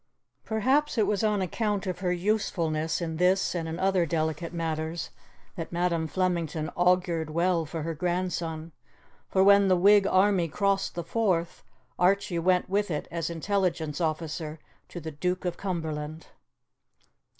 Perhaps it was on account of her usefulness in this and in other delicate matters that Madam Flemington augured well for her grandson, for when the Whig army crossed the Forth, Archie went with it as intelligence officer to the Duke of Cumberland.